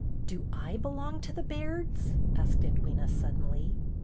"Do I belong to the Bairds?" asked Ed wyna, suddenly.